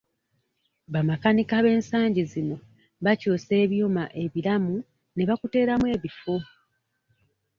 Bamakanika b'ensangi zino bakyusa ebyuma ebiramu ne bakuteeramu ebifu.